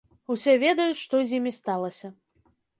Усе ведаюць, што з імі сталася.